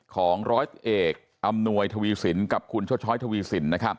ของร้อยเอกอำนวยทวีสินกับคุณชดช้อยทวีสิน